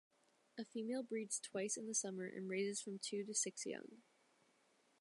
A female breeds twice in the summer, and raises from two to six young.